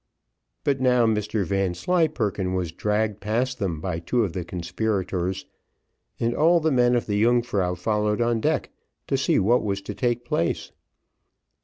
But now Mr Vanslyperken was dragged past them by two of the conspirators, and all the men of the Yungfrau followed on deck, to see what was to take place.